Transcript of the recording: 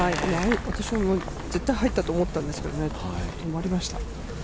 私も絶対入ったと思ったんですけどね、止まりました。